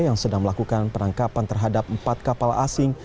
yang sedang melakukan penangkapan terhadap empat kapal asing